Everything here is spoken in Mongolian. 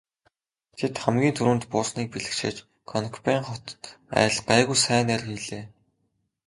Тэд хамгийн түрүүнд буусныг бэлэгшээж Конекбайн хот айл гайгүй сайн найр хийлээ.